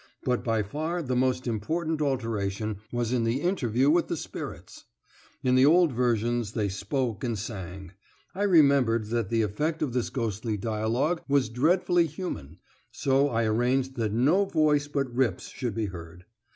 But by far the most important alteration was in the interview with the spirits. In the old versions they spoke and sang. I remembered that the effect of this ghostly dialogue was dreadfully human, so I arranged that no voice but Rip's should be heard.